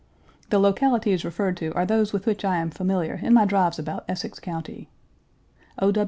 The localities referred to are those with which I am familiar in my drives about Essex County. O.